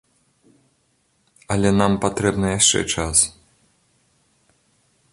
Але нам патрэбны яшчэ час.